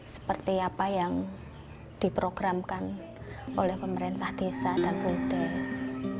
seperti apa yang diprogramkan oleh pemerintah desa dan bumdes